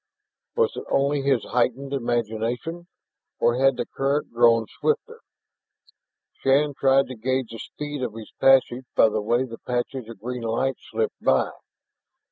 Was it only his heightened imagination, or had the current grown swifter? Shann tried to gauge the speed of his passage by the way the patches of green light slipped by.